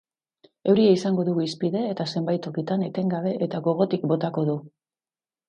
Euria izango dugu hizpide eta zenbait tokitan etengabe eta gogotik botako du.